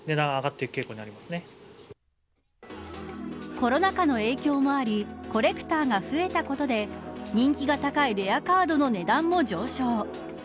コロナ禍の影響もありコレクターが増えたことで人気が高いレアカードの値段も上昇。